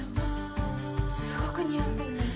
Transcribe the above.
すごく似合うと思う。